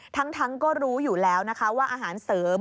ทั้งก็รู้อยู่แล้วนะคะว่าอาหารเสริม